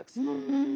うん。